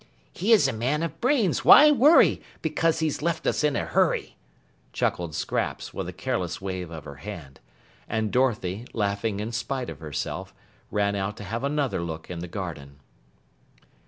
"He is a man of brains; why worry Because he's left us in a hurry?" chuckled Scraps with a careless wave of her hand, and Dorothy, laughing in spite of herself, ran out to have another look in the garden.